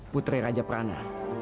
putri raja prana